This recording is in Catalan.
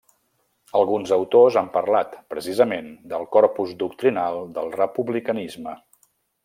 Alguns autors han parlat, precisament, del corpus doctrinal del republicanisme.